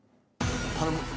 頼む。